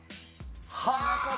はあ！